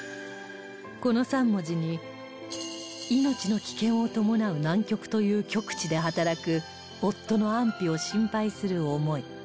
この３文字に命の危険を伴う南極という極地で働く夫の安否を心配する思い